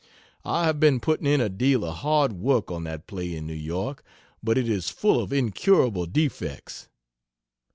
I have been putting in a deal of hard work on that play in New York, but it is full of incurable defects.